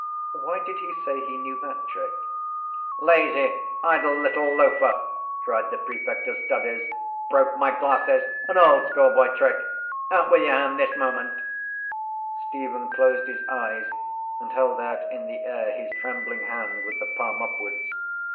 Why did he say he knew that trick? —Lazy idle little loafer! cried the prefect of studies. Broke my glasses! An old schoolboy trick! Out with your hand this moment! Stephen closed his eyes and held out in the air his trembling hand with the palm upwards.